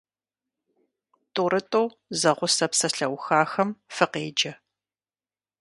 ТӀурытӀу зэгъусэ псалъэухахэм фыкъеджэ.